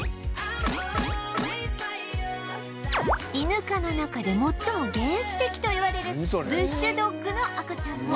イヌ科の中で最も原始的といわれるブッシュドッグの赤ちゃんも